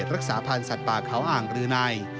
รักษาพันธ์สัตว์ป่าเขาอ่างรืนัย